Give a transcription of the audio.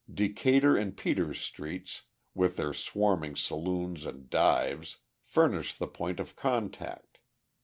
Decatur and Peters streets, with their swarming saloons and dives, furnish the point of contact.